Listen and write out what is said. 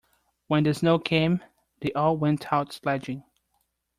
When the snow came, they all went out sledging.